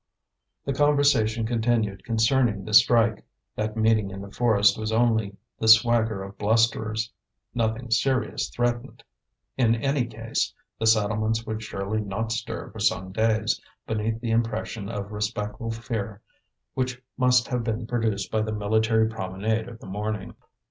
The conversation continued concerning the strike; that meeting in the forest was only the swagger of blusterers; nothing serious threatened. In any case, the settlements would surely not stir for some days, beneath the impression of respectful fear which must have been produced by the military promenade of the morning.